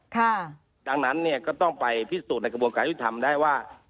ค่ะดังนั้นเนี่ยก็ต้องไปพิสูจน์ในกระบวนการยุทธรรมได้ว่า